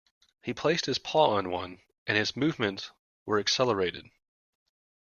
He placed his paw on one, and its movements were accelerated.